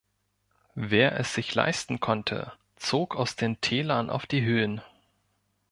Wer es sich leisten konnte, zog aus den Tälern auf die Höhen.